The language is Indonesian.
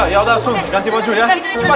ya udah asun ganti pojok ya